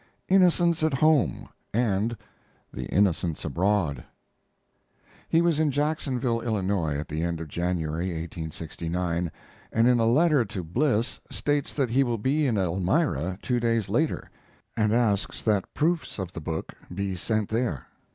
LXX. INNOCENTS AT HOME AND "THE INNOCENTS ABROAD" He was in Jacksonville, Illinois, at the end of January (1869), and in a letter to Bliss states that he will be in Elmira two days later, and asks that proofs of the book be sent there.